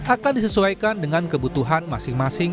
akan disesuaikan dengan kebutuhan masing masing